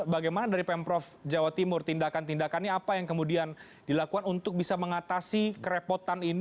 bagaimana dari pemprov jawa timur tindakan tindakannya apa yang kemudian dilakukan untuk bisa mengatasi kerepotan ini